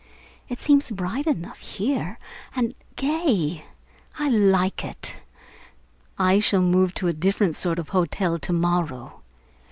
It seems bright enough here, and gay. I like it. I shall move to a different sort of hotel to morrow.